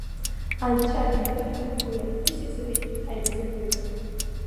Анцәа диныҳәароуп уи аԥҳәыси сареи ҳаибазырдырыз.